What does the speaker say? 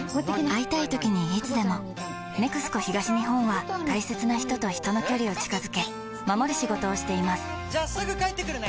会いたいときにいつでも「ＮＥＸＣＯ東日本」は大切な人と人の距離を近づけ守る仕事をしていますじゃあすぐ帰ってくるね！